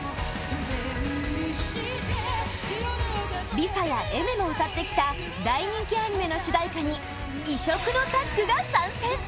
ＬｉＳＡやＡｉｍｅｒも歌ってきた大人気アニメの主題歌に異色のタッグが参戦